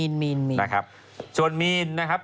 นะครับส่วนมีนนะครับ